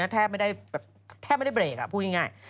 แทบไม่ได้เบรกพูดง่าย